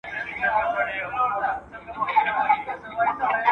زه مخکي انځور ليدلی و؟!